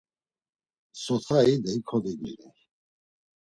Sotxa idey kodinciney.